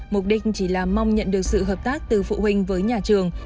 mục đích chỉ là mong nhận được sự hợp tác từ phụ huynh với nhà trường